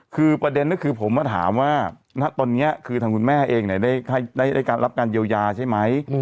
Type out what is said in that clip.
คือประเด็นก็คือผมมาถามว่าตอนนี้คือทางคุณแม่เองได้รับการเยียวยาใช่ไหม